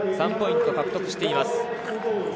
３ポイント獲得しています。